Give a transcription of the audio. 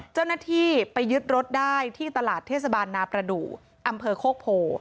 เจ้าหน้าที่ไปยึดรถได้ที่ตลาดเทศบาลนาประดูกอำเภอโคกโพ